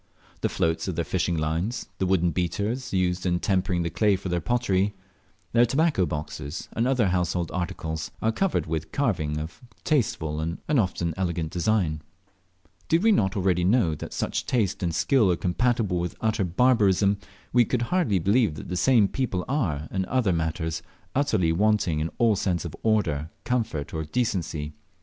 The floats of their fishing lines, the wooden beaters used in tempering the clay for their pottery, their tobacco boxes, and other household articles, are covered with carving of tasteful and often elegant design. Did we not already know that such taste and skill are compatible with utter barbarism, we could hardly believe that the same people are, in other matters, utterly wanting in all sense of order, comfort, or decency.